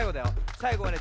さいごはね